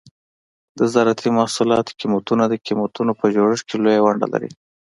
د زراعتي محصولاتو قیمتونه د قیمتونو په جوړښت کې لویه ونډه لري.